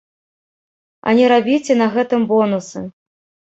А не рабіце на гэтым бонусы.